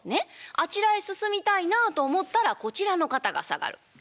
あちらへ進みたいなと思ったらこちらの肩が下がる。